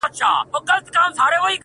• سلا نه ورڅخه غواړي چي هوښیار وي -